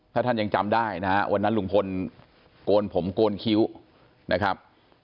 ถ้าท่านยังจำได้นะฮะวันนั้นลุงพลโกนผมโกนคิ้วนะครับ